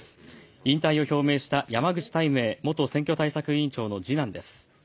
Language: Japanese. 引退を表明した山口泰明元選挙対策委員長の次男です。